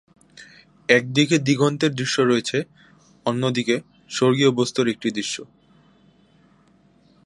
একদিকে দিগন্তের দৃশ্য রয়েছে; অন্যদিকে, স্বর্গীয় বস্তুর একটি দৃশ্য।